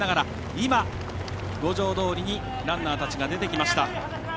今、五条通にランナーたちが出てきました。